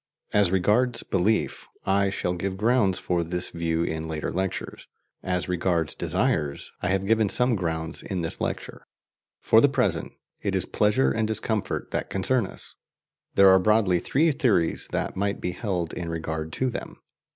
As regards belief, I shall give grounds for this view in later lectures. As regards desires, I have given some grounds in this lecture. For the present, it is pleasure and discomfort that concern us. There are broadly three theories that might be held in regard to them.